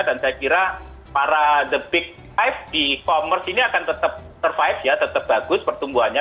dan saya kira para the big type di e commerce ini akan tetap survive ya tetap bagus pertumbuhannya